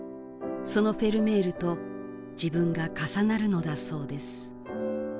そのフェルメールと自分が重なるのだそうです